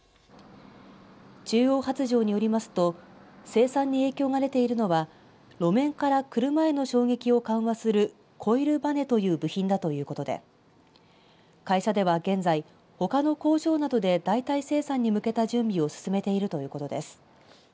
中央発條によりますと生産に影響が出ているのは路面から車への衝撃を緩和するコイルばねという部品だということで会社では現在ほかの工場などで代替生産に向けた準備を進めているということです。